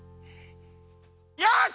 よし！